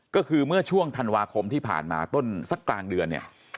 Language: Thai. ก็คือเมื่อช่วงธันวาคมที่ผ่านมาต้นสักกลางเดือนเนี่ย